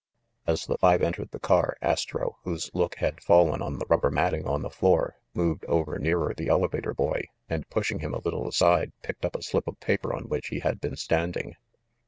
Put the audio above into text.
As the five entered the car, Astro, whose look had fallen on the rubber matting on the floor, moved over nearer the elevator boy, and, pushing him a lit tle aside, picked up a slip of paper on which he had been standing.